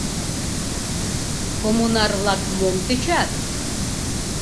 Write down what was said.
— Коммунар-влак мом тӧчат?